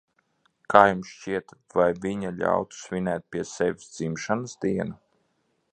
Kā jums šķiet, vai viņa ļautu svinēt pie sevis dzimšanas dienu?